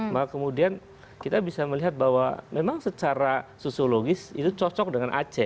maka kemudian kita bisa melihat bahwa memang secara sosiologis itu cocok dengan aceh